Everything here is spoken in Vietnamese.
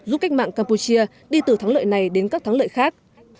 giúp cách mạng campuchia đi từ thắng lợi này đến các thắng lợi khác